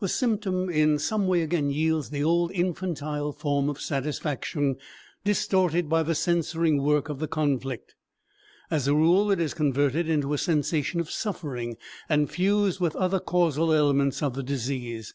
The symptom in some way again yields the old infantile form of satisfaction, distorted by the censoring work of the conflict. As a rule it is converted into a sensation of suffering and fused with other causal elements of the disease.